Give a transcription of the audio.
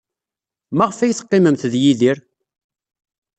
Maɣef ay teqqimemt ed Yidir?